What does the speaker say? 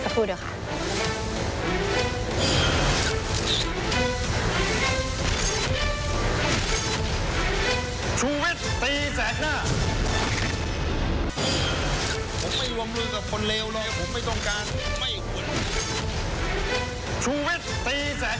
สักพูดด้วยค่ะ